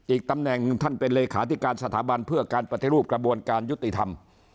ตำแหน่งท่านเป็นเลขาธิการสถาบันเพื่อการปฏิรูปกระบวนการยุติธรรม